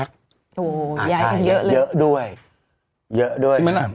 โอ้โหย้ายกันเยอะเลยเยอะด้วยเยอะด้วยใช่ไหมล่ะ